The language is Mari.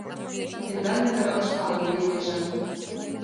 Тендан дене рывыж палыме лийнеже.